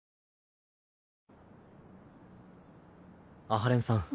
阿波連さん